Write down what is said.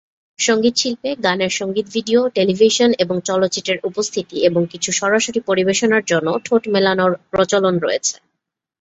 সঙ্গীত শিল্পে, গানের সঙ্গীত ভিডিও, টেলিভিশন এবং চলচ্চিত্রের উপস্থিতি এবং কিছু সরাসরি পরিবেশনার জন্য ঠোঁট-মেলানোর প্রচলন রয়েছে।